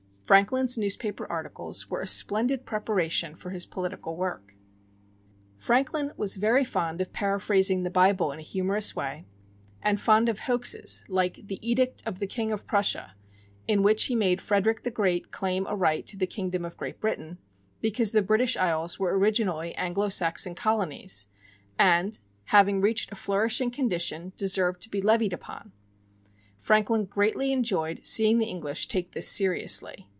Franklin's newspaper articles were a splendid preparation for his political work. Franklin was very fond of paraphrasing the Bible in a humorous way, and fond of hoaxes, like the "Edict of the King of Prussia," in which he made Frederick the Great claim a right to the Kingdom of Great Britain, because the British Isles were originally Anglo Saxon colonies; and, having reached a flourishing condition, deserved to be levied upon. Franklin greatly enjoyed seeing the English take this seriously.